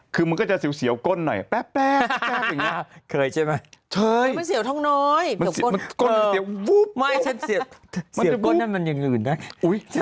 คือมันก็จะเสี่ยวก้นหน่อยแป๊บแป๊บแป๊บอย่างนี้